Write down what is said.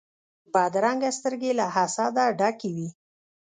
بدرنګه سترګې له حسده ډکې وي